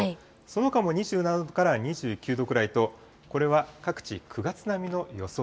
そのほかも２７度から２９度くらいと、これは各地９月並みの予想